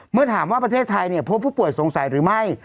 เมื่อถามว่าประเทศไทยพบผู้ป่วยสงสัยหรือไม่